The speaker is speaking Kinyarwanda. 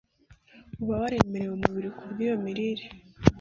uba waremereye umubiri kubwo iyo mirire